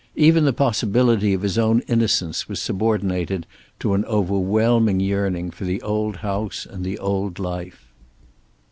Even the possibility of his own innocence was subordinated to an overwhelming yearning for the old house and the old life.